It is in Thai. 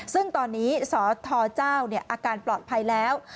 ซึ่งตอนนี้สทเจ้าอาการปลอดภัยแล้ว